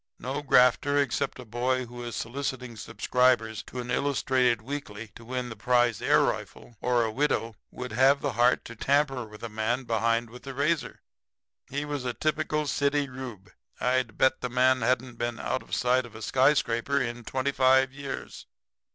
No grafter except a boy who is soliciting subscribers to an illustrated weekly to win the prize air rifle, or a widow, would have the heart to tamper with the man behind with the razor. He was a typical city Reub I'd bet the man hadn't been out of sight of a skyscraper in twenty five years.